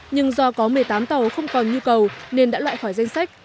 nhưng do có một mươi tám tàu không còn nhu cầu nên đã loại khỏi danh sách